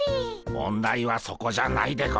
問題はそこじゃないでゴンス。